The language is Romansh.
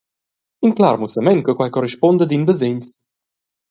In clar mussament che quei corrispunda ad in basegns.